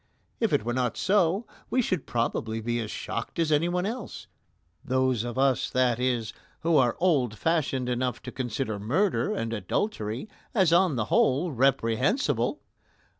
If it were not so, we should probably be as shocked as anyone else those of us, that is, who are old fashioned enough to consider murder and adultery as on the whole reprehensible.